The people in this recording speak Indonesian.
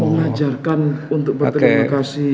mengajarkan untuk berterima kasih